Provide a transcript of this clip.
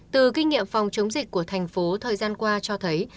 từ kinh nghiệm phòng chống dịch của thành phố thời gian qua cho thấy